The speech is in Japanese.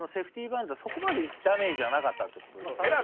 バントそこまでダメージはなかったって事ですよね。